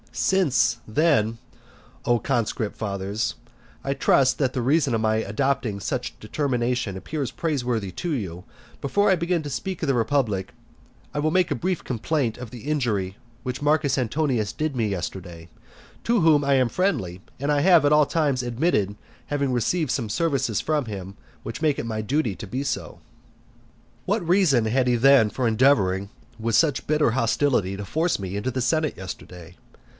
Since, then, O conscript fathers, I trust that the reason of my adopting each determination appears praiseworthy to you, before I begin to speak of the republic, I will make a brief complaint of the injury which Marcus Antonius did me yesterday, to whom I am friendly, and I have at all times admitted having received some services from him which make it my duty to be so. V. What reason had he then for endeavouring, with such bitter hostility, to force me into the senate yesterday?